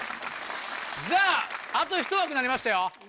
さぁあとひと枠になりましたよ。